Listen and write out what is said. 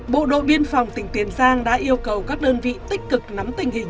bộ đội biên phòng tỉnh tiền giang đã yêu cầu các đơn vị tích cực nắm tình hình